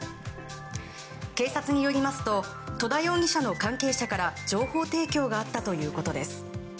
警察によりますと戸田容疑者の関係者から情報提供があったということです。